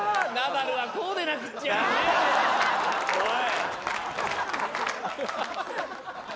おい。